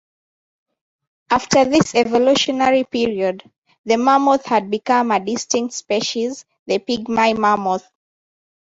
After this evolutionary period, the mammoth had become a distinct species, the pygmy mammoth.